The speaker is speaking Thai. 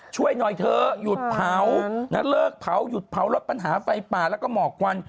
ช่วยหน่อยเถอะหยุดเผาเลิกเผาหยุดเผาลดปัญหาไฟป่าแล้วก็หมอกควัน